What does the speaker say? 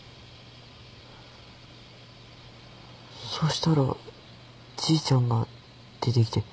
そうしたらじいちゃんが出てきて。